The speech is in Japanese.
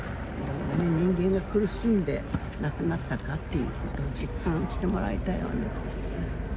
人間が苦しんで亡くなったかっていうことを、実感してもらいたいわね。